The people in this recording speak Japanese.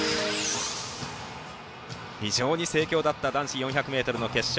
非常に盛況だった男子４００ｍの決勝。